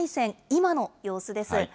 今の様子です。